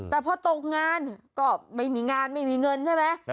แต่พอตกงานก็ไม่มีงานไม่มีเงินใช่ไหม